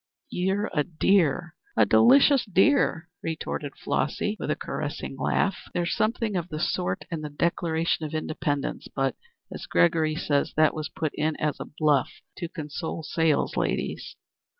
"You're a dear a delicious dear," retorted Flossy, with a caressing laugh. "There's something of the sort in the Declaration of Independence, but, as Gregory says, that was put in as a bluff to console salesladies.